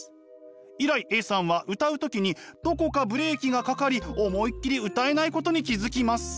以来Ａさんは歌う時にどこかブレーキがかかり思いっきり歌えないことに気付きます。